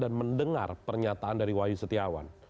dan mendengar pernyataan dari wayu setiawan